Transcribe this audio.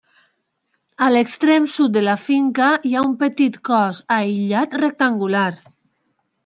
A l'extrem sud de la finca hi ha un petit cos aïllat rectangular.